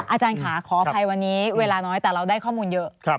อาจารย์ค่ะขออภัยวันนี้เวลาน้อยแต่เราได้ข้อมูลเยอะ